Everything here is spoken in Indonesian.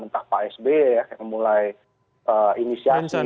entah pak sby ya yang mulai inisiasi